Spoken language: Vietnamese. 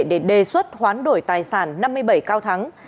để đề xuất hoán đổi tài sản năm mươi bảy cao thắng